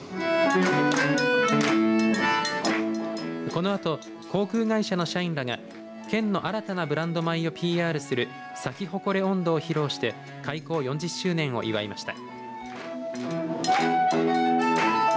このあと航空会社の社員らが県の新たなブランド米をＰＲするサキホコレ音頭を披露して開港４０周年を祝いました。